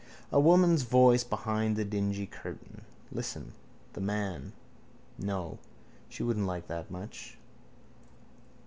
A woman's voice behind the dingy curtain. Listen: the man. No: she wouldn't like that much.